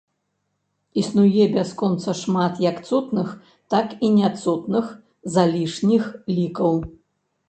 Існуе бясконца шмат як цотных, так і няцотных залішніх лікаў.